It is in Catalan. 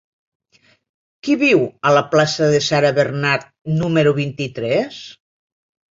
Qui viu a la plaça de Sarah Bernhardt número vint-i-tres?